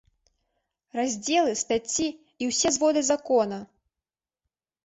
Раздзелы, стацці і ўсе зводы закона!